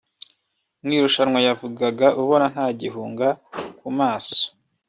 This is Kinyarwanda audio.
mu irushanwa yavugaga ubona nta gihunga ku maso